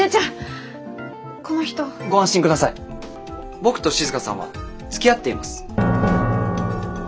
僕と静さんはつきあっています。